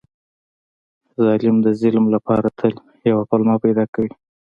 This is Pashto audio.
ظالم د ظلم لپاره تل یوه پلمه پیدا کوي.